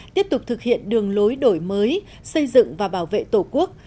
tiếp tục thực hiện đường lối đổi mới xây dựng và bảo vệ tổ quốc